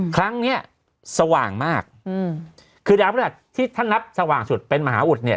ครั้งเนี้ยสว่างมากอืมคือดาวพฤหัสที่ท่านนับสว่างสุดเป็นมหาอุดเนี่ย